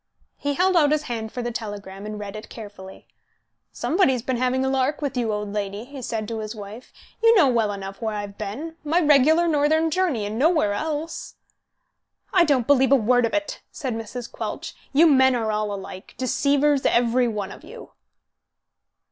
He held out his hand for the telegram, and read it carefully. "Somebody's been having a lark with you, old lady," he said to his wife. "You know well enough where I've been my regular northern journey, and nowhere else." "I don't believe a word of it," said Mrs. Quelch, "you men are all alike deceivers, every one of you."